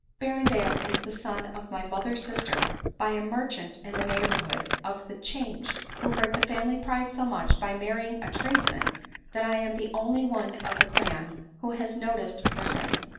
Berrendale is the son of my mother's sister, by a merchant in the neighborhood of the 'Change, who hurt die family pride so much by marrying a tradesman, that I am the only one of the clan who has noticed her since.